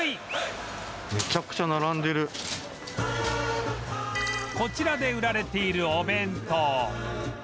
そしてこちらで売られているお弁当